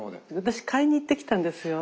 私買いに行ってきたんですよ。